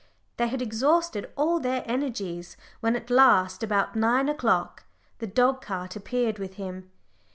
They had exhausted all their energies when at last about nine o'clock the dog cart appeared with him.